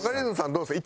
どうですか？